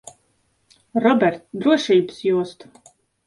Robert, drošības jostu.